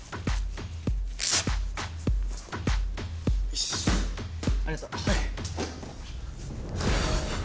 よしありがとう。